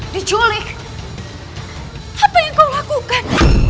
diculik apa yang kau lakukan